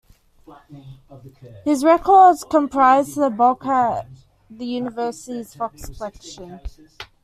His records comprise the bulk of the university's Fox Collection.